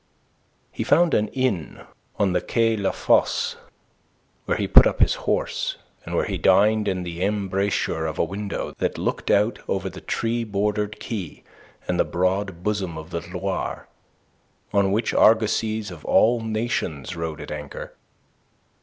He found an inn on the Quai La Fosse, where he put up his horse, and where he dined in the embrasure of a window that looked out over the tree bordered quay and the broad bosom of the Loire, on which argosies of all nations rode at anchor.